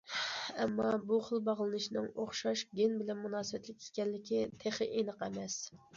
ئەمما بۇ خىل باغلىنىشنىڭ ئوخشاش گېن بىلەن مۇناسىۋەتلىك ئىكەنلىكى تېخى ئېنىق ئەمەس.